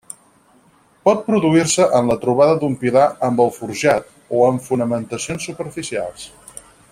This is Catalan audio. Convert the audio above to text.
Pot produir-se en la trobada d'un pilar amb el forjat, o en fonamentacions superficials.